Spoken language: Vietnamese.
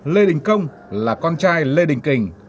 lê đình công là con trai lê đình kình